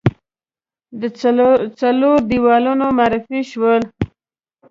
د څلورو دیوانونو معرفي شوه.